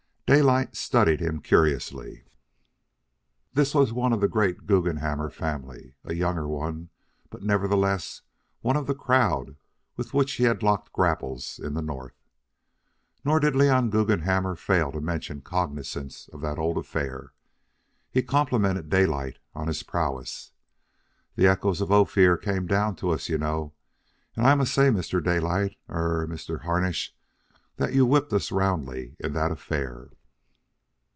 Daylight studied him curiously. This was one of the great Guggenhammer family; a younger one, but nevertheless one of the crowd with which he had locked grapples in the North. Nor did Leon Guggenhammer fail to mention cognizance of that old affair. He complimented Daylight on his prowess "The echoes of Ophir came down to us, you know. And I must say, Mr. Daylight er, Mr. Harnish, that you whipped us roundly in that affair."